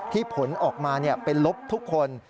ผลออกมาเป็นลบทุกคน